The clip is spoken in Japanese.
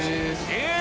えっ！